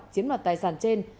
chiếm lọt tài sản trên